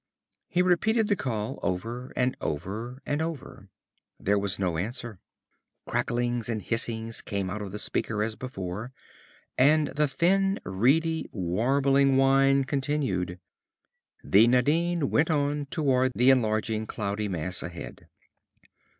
He repeated the call, over and over and over. There was no answer. Cracklings and hissings came out of the speaker as before, and the thin and reedy wabbling whine continued. The Nadine went on toward the enlarging cloudy mass ahead.